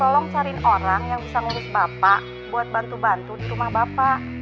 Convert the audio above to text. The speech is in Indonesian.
tolong cariin orang yang bisa ngurus bapak buat bantu bantu di rumah bapak